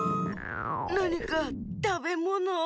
なにかたべものを！